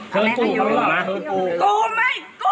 กูไม่กลัว